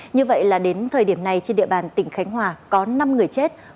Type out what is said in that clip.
như vậy là đến thời điểm này trên địa bàn tỉnh khánh hòa có năm người chết